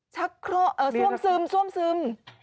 ชักเคราะห์ว่มซึม